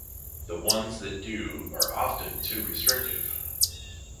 The ones that do are often too restrictive